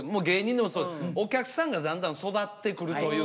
お客さんがだんだん育ってくるというかそのお笑いの方向